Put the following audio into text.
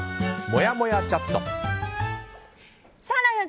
もやもやチャット。